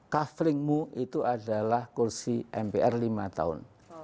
coveringmu itu adalah kursi mpr lima tahun